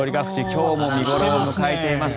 今日も見頃を迎えています。